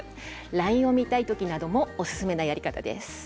ＬＩＮＥを見たい時もおすすめのやり方です。